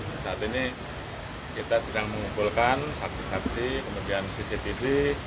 saat ini kita sedang mengumpulkan saksi saksi kemudian cctv